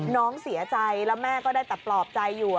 น้องเสียใจแล้วแม่ก็ได้แต่ปลอบใจอยู่